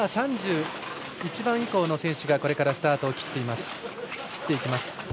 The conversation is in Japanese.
３１番以降の選手がこれからスタートを切ります。